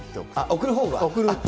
贈るほうが。